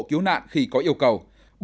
cứu nạn khi có yêu cầu